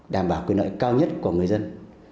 đảm bảo quyền nợ cao nhất của người dân